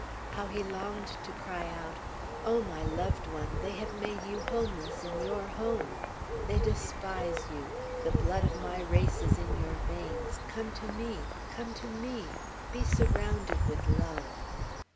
How he longed to cry out, "O my loved one, they have made you homeless in your home. They despise you. The blood of my race is in your veins; come to me; come to me! be surrounded with love!"